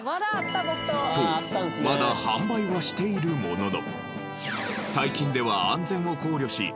とまだ販売はしているものの。